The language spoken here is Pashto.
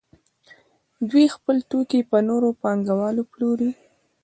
دوی خپل توکي په نورو پانګوالو پلوري